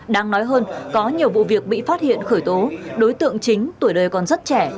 đáng nói hơn có nhiều vụ việc bị phát hiện khởi tố đối tượng chính tuổi đời còn rất trẻ